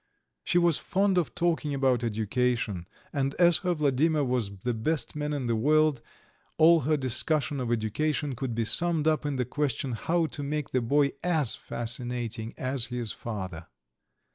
She was fond of talking about education, and as her Vladimir was the best man in the world, all her discussion of education could be summed up in the question how to make the boy as fascinating as his father.